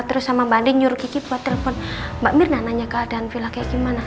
terus sama banding nyuruh kiki buat telepon mbak mirna nanya keadaan villa kayak gimana